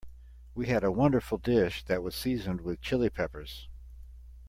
We had a wonderful dish that was seasoned with Chili Peppers.